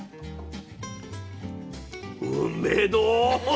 うめぇど！